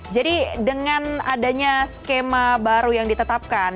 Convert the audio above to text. jadi dengan adanya skema baru yang ditetapkan